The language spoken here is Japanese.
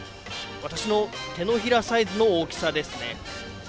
私の手のひらサイズの大きさですね。